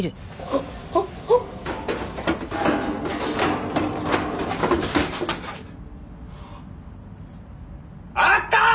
あったー！！